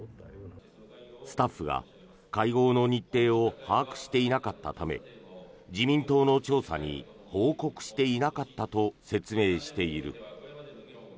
スタッフが会合の日程を把握していなかったため自民党の調査に報告していなかったと説明している。